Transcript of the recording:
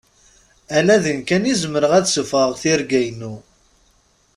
Ala din kan i zemreɣ ad ssufɣaɣ tirga-ynu?